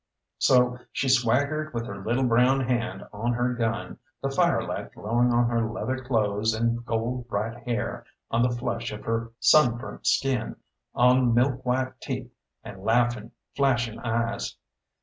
So she swaggered with her little brown hand on her gun, the firelight glowing on her leather clothes and gold bright hair, on the flush of her sunburnt skin, on milk white teeth, and laughing, flashing eyes.